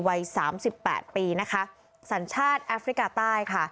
วัย๓๘ปีสัญชาติแอฟริกาใต้